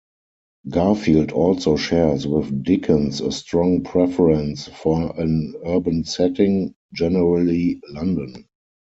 Garfield also shares with Dickens a strong preference for an urban setting, generally London.